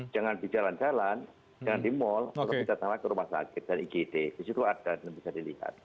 jangan di jalan jalan jangan di mall kalau kita terlalu terlalu masyarakat dan igt disitu ada dan bisa dilihat